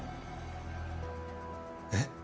えっ。